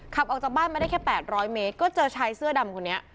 ออกจากบ้านมาได้แค่๘๐๐เมตรก็เจอชายเสื้อดำคนนี้